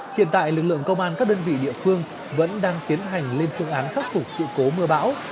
hiện tại lực lượng công an các đơn vị địa phương vẫn đang tiến hành lên phương án khắc phục sự cố mưa bão